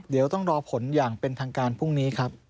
เดี๋ยวต้องรอผลอย่างเป็นทางการพรุ่งนี้ครับ